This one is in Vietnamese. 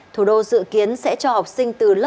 thủ đô dự kiến sẽ cho học sinh